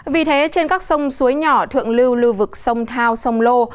vì thế trên các sông suối nhỏ thượng lưu lưu vực sông thao sông lô